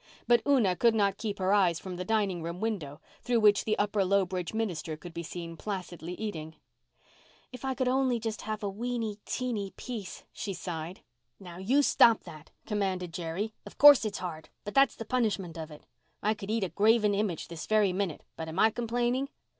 But Una could not keep her eyes from the dining room window, through which the Upper Lowbridge minister could be seen, placidly eating. "If I could only have just a weeny, teeny piece," she sighed. "Now, you stop that," commanded Jerry. "Of course it's hard—but that's the punishment of it. I could eat a graven image this very minute, but am I complaining?